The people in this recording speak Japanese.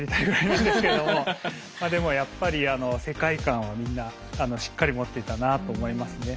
まあでもやっぱり世界観はみんなしっかり持っていたなと思いますね。